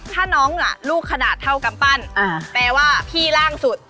ถ้าน้องลูกขนาดเท่ากำปั้นแปลว่าพี่ล่างสุด